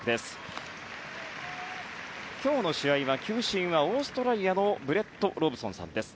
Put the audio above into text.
今日の試合は球審はオーストラリアのブレッド・ロブソンさんです。